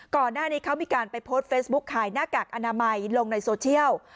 ก่อนหน้านี้เขามีการไปโพสต์เฟซบุ๊คขายหน้ากากอนามัยลงในโซเชียล